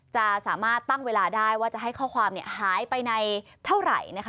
จะสามารถตั้งเวลาได้ว่าจะให้ข้อความหายไปในเท่าไหร่นะคะ